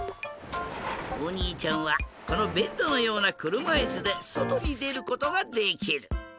おにいちゃんはこのベッドのようなくるまいすでそとにでることができる！